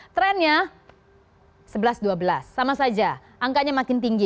trennya sebelas dua belas sama saja angkanya makin tinggi